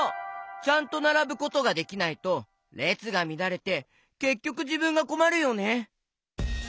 ちゃんとならぶことができないとれつがみだれてけっきょくじぶんがこまるよね。